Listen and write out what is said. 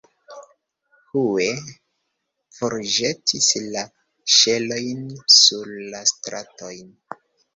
Hue forĵetis la ŝelojn sur la stratojn.